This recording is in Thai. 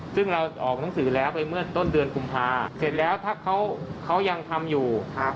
ซึ่งเราออกหนังสือแล้วไปเมื่อต้นเดือนกุมภาเสร็จแล้วถ้าเขายังทำอยู่